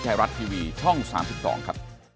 ไทยรัฐทีวีช่อง๓๒ครับ